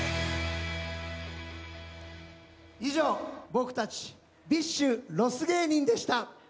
以上僕たちＢｉＳＨロス芸人でした。